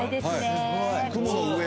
雲の上。